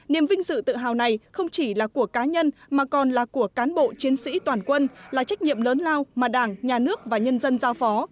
niềm vinh dự tự hào này không chỉ là của cá nhân mà còn là của cán bộ chiến sĩ toàn quân là trách nhiệm lớn lao mà đảng nhà nước và nhân dân giao phó